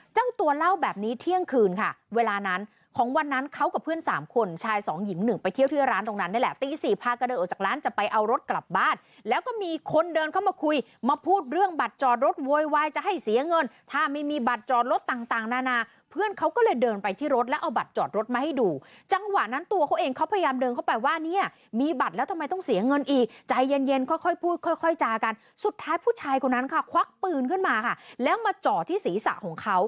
จ้างตัวเล่าแบบนี้เที่ยงคืนค่ะเวลานั้นของวันนั้นเขากับเพื่อนสามคนชายสองหญิงหนึ่งไปเที่ยวที่ร้านตรงนั้นนี่แหละตีสี่พักก็เดินออกจากร้านจะไปเอารถกลับบ้านแล้วก็มีคนเดินเข้ามาคุยมาพูดเรื่องบัตรจอดรถโวยวายจะให้เสียเงินถ้าไม่มีบัตรจอดรถต่างนานาเพื่อนเขาก็เลยเดินไปที่รถแล้วเอาบัตรจอดรถมาให้ดูจัง